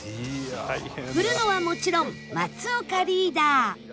振るのはもちろん松岡リーダー